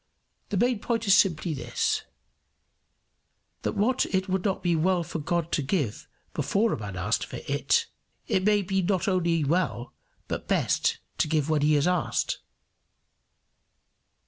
The main point is simply this, that what it would not be well for God to give before a man had asked for it, it may be not only well, but best, to give when he has asked.